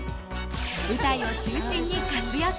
舞台を中心に活躍。